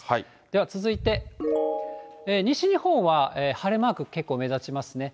では続いて、西日本は晴れマーク、結構目立ちますね。